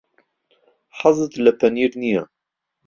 حەزت لە پەنیر نییە.